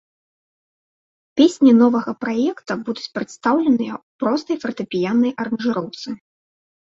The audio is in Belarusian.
Песні новага праекта будуць прадстаўленыя ў простай фартэпіяннай аранжыроўцы.